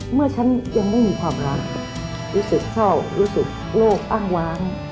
เมื่อฉันยังไม่มีความรักรู้สึกเศร้ารู้สึกโลกอ้างว้าง